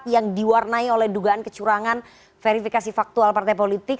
yang diwarnai oleh dugaan kecurangan verifikasi faktual partai politik